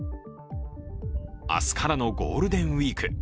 明日からのゴールデンウイーク。